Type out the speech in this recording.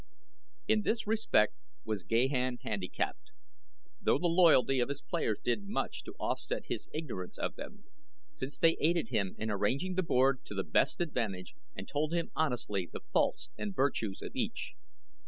In this respect was Gahan handicapped, though the loyalty of his players did much to offset his ignorance of them, since they aided him in arranging the board to the best advantage and told him honestly the faults and virtues of each.